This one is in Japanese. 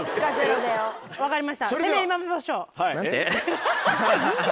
分かりました。